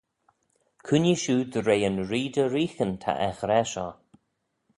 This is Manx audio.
Cooinee shiu dy re yn Ree dy reeaghyn ta er ghra shoh.